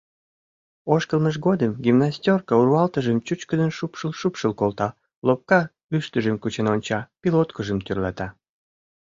Ошкылмыж годым гимнастёрка урвалтыжым чӱчкыдын шупшыл-шупшыл колта, лопка ӱштыжым кучен онча, пилоткыжым тӧрлата.